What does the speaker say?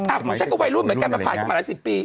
อ้าวผมใช่ก็วัยรุ่นเหมือนกันมาผ่านมาหลายสิบปี